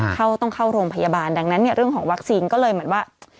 ต้องเข้าโรงพยาบาลดังนั้นเนี่ยเรื่องของวัคซีนก็เลยเหมือนว่า